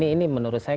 ini menurut saya